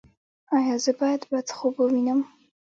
ایا زه باید بد خوب ووینم؟